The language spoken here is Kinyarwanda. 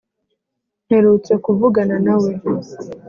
mperutse kuvugana nawe